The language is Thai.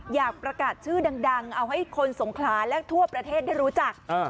อยากประกาศชื่อดังเอาให้คนสงขลาและทั่วประเทศได้รู้จัก